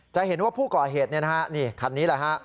จะเห็นว่าผู้ก่อเหตุเนี่ยนะฮะนี่คันนี้แหละฮะ